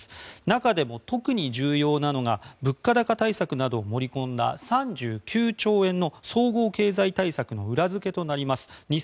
中でも特に重要なのが物価高対策などを盛り込んだ３９兆円の総合経済対策の裏付けとなります